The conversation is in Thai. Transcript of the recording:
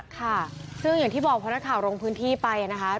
ค่ะซึ่งอย่างที่บอกพอนักข่าวลงพื้นที่ไปนะคะ